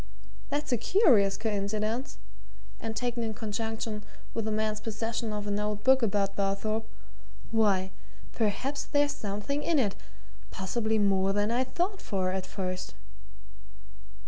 That's a curious coincidence and taken in conjunction with the man's possession of an old book about Barthorpe why, perhaps there's something in it possibly more than I thought for at first."